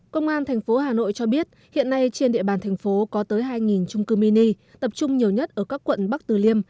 công an thành phố hà nội cho biết hiện nay trên địa bàn thành phố có tới hai trung cư mini tập trung nhiều nhất ở các quận bắc từ liêm